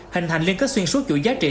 hình thành liên kết xuyên suốt chủ giá trị